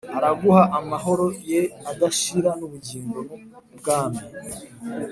Araguha amahoro ye adashira n’ubugingo n’ubwami